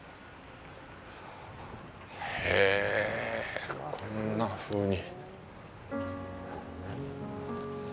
へぇぇ、こんなふうに。